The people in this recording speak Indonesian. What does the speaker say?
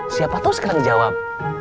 siapa tau sekarang jawab